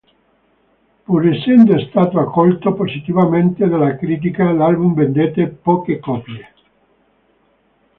Pur essendo stato accolto positivamente dalla critica, l'album vendette poche copie.